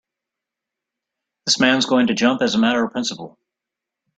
This man's going to jump as a matter of principle.